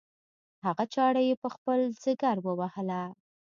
هغه چاړه یې په خپل ځګر ووهله.